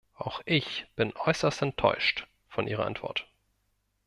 Auch ich bin äußerst enttäuscht von Ihrer Antwort.